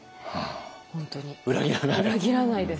本当に裏切らないです。